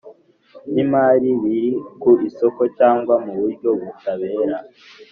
by imari biri ku isoko cyangwa mu buryo butabera